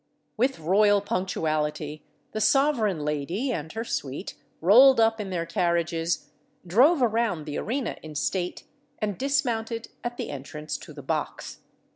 With royal punctuality the sovereign lady and her suite rolled up in their carriages, drove around the arena in state, and dismounted at the entrance to the box.